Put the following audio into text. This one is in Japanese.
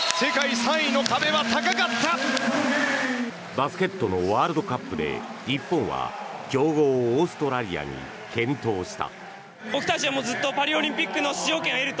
バスケットのワールドカップで日本は強豪オーストラリアに健闘した。